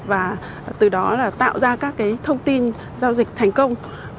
và từ đó là tạo ra các thông tin giao dịch thành công